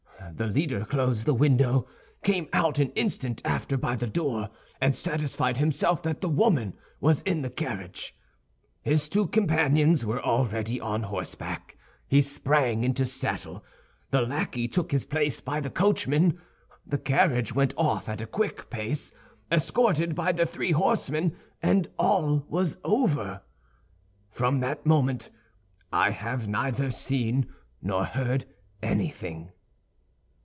The leader closed the window, came out an instant after by the door, and satisfied himself that the woman was in the carriage. His two companions were already on horseback. He sprang into his saddle; the lackey took his place by the coachman; the carriage went off at a quick pace, escorted by the three horsemen, and all was over. From that moment I have neither seen nor heard anything."